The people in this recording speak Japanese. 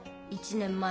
１年前。